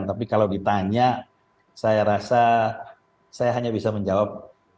tapi kalau ditanya saya rasa saya hanya bisa menjawab